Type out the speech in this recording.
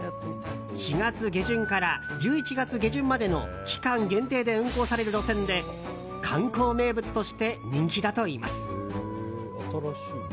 ４月下旬から１１月下旬までの期間限定で運行される路線で観光名物として人気だといいます。